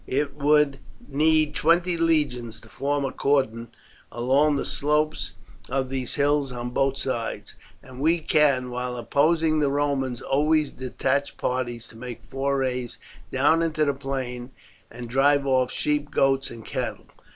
It would need twenty legions to form a cordon along the slopes of these hills on both sides, and we can, while opposing the Romans, always detach parties to make forays down into the plain and drive off sheep, goats, and cattle.